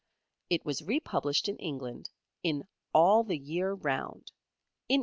It was republished in England in "All the Year Round" in 1868.